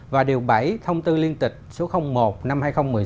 và điều bảy thông tư liên tịch số một năm hai nghìn một mươi sáu